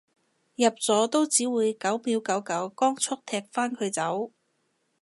入咗都只會九秒九九光速踢返佢走